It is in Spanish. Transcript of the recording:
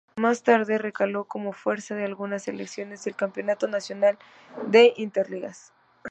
Más tarde, recaló como refuerzo de algunas selecciones del Campeonato Nacional de Interligas.